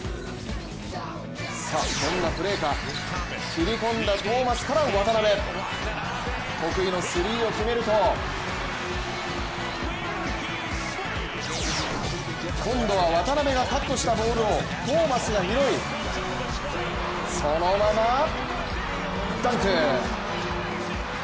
どんなプレーか、切り込んだトーマスから渡邊得意のスリーを決めると今度は渡邊がカットしたボールをトーマスが拾う、そのままダンク！